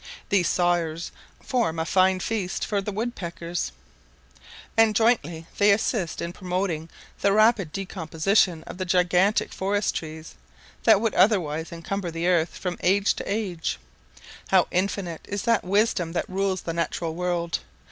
These sawyers form a fine feast for the woodpeckers, and jointly they assist in promoting the rapid decomposition of the gigantic forest trees, that would otherwise encumber the earth from age to age. How infinite is that Wisdom that rules the natural world!